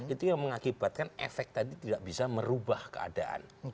itu yang mengakibatkan efek tadi tidak bisa merubah keadaan